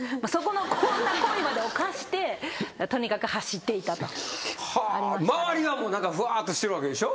こんな行為までおかしてとにかく走っていたと。は周りがふわっとしてるわけでしょ。